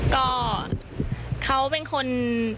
ก็เขาเป็นคน